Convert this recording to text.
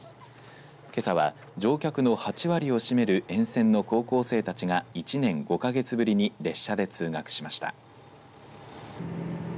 けさは乗客の８割を占める沿線の高校生たちが１年５か月ぶりに列車で通学しました。